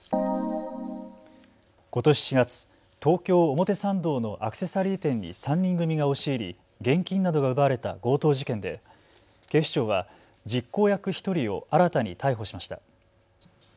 ことし４月、東京表参道のアクセサリー店に３人組が押し入り、現金などが奪われた強盗事件で警視庁は実行役１人を新たに逮捕しました。